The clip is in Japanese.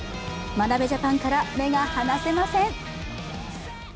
眞鍋ジャパンから目が離せません。